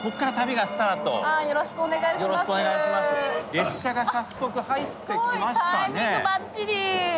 列車が早速入ってきましたね。